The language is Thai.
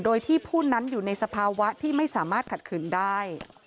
โดยที่ผู้นั้นอยู่ในสภาวะที่ไม่สามารถขัดขืนได้